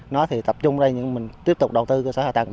nó thì tập trung ở đây nhưng mình tiếp tục đầu tư cho xã hà tạng